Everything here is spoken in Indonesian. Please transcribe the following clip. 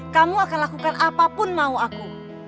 kamu akan lakukan apapun mau aku